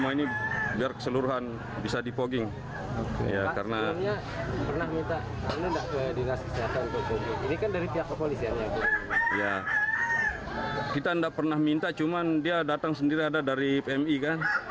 kita tidak pernah minta cuma dia datang sendiri ada dari pmi kan